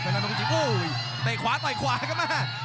เวลานกกระจิบโอ้ยเตะขวาต่อยขวากันมา